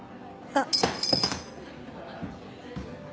あっ。